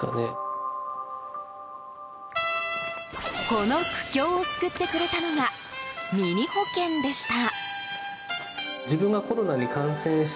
この苦境を救ってくれたのがミニ保険でした。